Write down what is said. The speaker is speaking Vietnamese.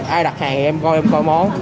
ai đặt hàng thì em coi em coi món